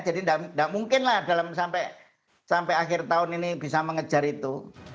jadi tidak mungkin lah sampai akhir tahun ini bisa mengejar itu